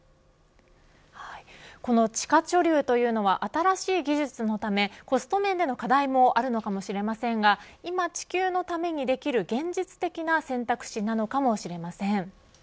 この地下貯留というのは新しい技術のためコスト面での課題もあるのかもしれませんが今、地球のためにできる現実的な選択肢なのかもしれません。